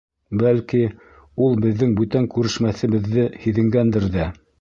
Бәлки, ул беҙҙең бүтән күрешмәҫебеҙҙе һиҙенгәндер ҙә.